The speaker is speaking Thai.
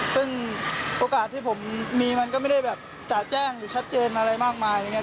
ซึ่งโอกาสที่ผมมีมันก็ไม่ได้จัดแจ้งหรือชัดเจนอะไรมากมาย